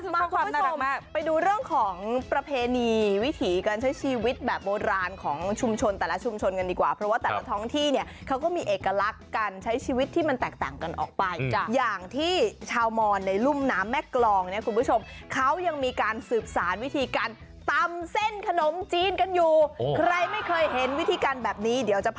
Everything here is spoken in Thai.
มาความน่ารักมากไปดูเรื่องของประเพณีวิถีการใช้ชีวิตแบบโบราณของชุมชนแต่ละชุมชนกันดีกว่าเพราะว่าแต่ละท้องที่เนี่ยเขาก็มีเอกลักษณ์การใช้ชีวิตที่มันแตกต่างกันออกไปอย่างที่ชาวมอนในรุ่มน้ำแม่กรองเนี่ยคุณผู้ชมเขายังมีการสืบสารวิธีการตำเส้นขนมจีนกันอยู่ใครไม่เคยเห็นวิธีการแบบนี้เดี๋ยวจะพ